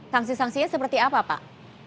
sangsi sangsinya seperti apa pak